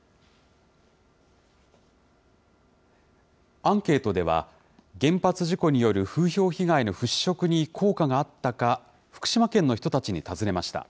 アンケートでは、原発事故による風評被害の払拭に効果があったか、福島県の人たちに尋ねました。